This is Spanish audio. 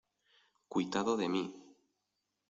¡ cuitado de mí!